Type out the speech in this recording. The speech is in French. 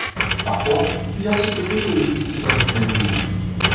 Parfois, plusieurs sociétés coexistent dans une même ville.